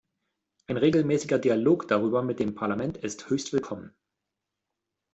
Ein regelmäßiger Dialog darüber mit dem Parlament ist höchst willkommen.